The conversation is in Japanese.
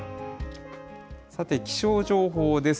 さて、気象情報です。